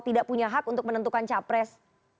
tidak punya hak untuk menentukan capres